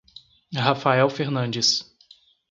Rafael Fernandes